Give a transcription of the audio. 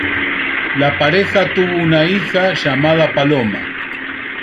La pareja tuvo una hija llamada Paloma.